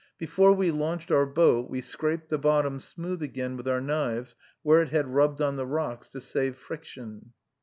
Before we launched our boat, we scraped the bottom smooth again, with our knives, where it had rubbed on the rocks, to save friction.